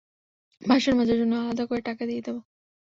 বাসন মাজার জন্য আলাদা করে টাকা দিয়ে দেব।